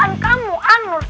kau bisa ngevote aku